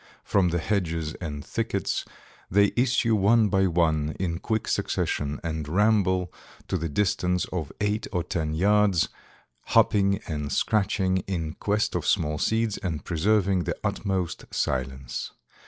From the hedges and thickets they issue one by one, in quick succession, and ramble to the distance of eight or ten yards, hopping and scratching, in quest of small seeds, and preserving the utmost silence.